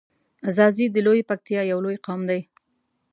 ځاځی د لویی پکتیا یو لوی قوم دی.